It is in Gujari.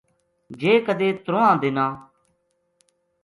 جے کدے ترواں دناں